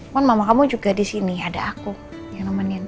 kan mama kamu juga di sini ada aku yang nemenin